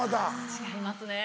違いますね。